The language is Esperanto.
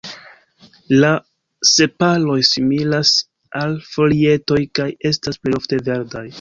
La sepaloj similas al folietoj, kaj estas plejofte verdaj.